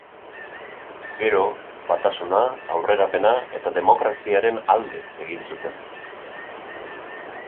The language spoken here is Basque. Gero Batasuna, Aurrerapena eta Demokraziaren alde egin zuten.